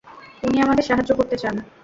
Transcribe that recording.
উনি আমাদের সাহায্য করতে চান।